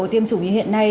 tiêm chủ như hiện nay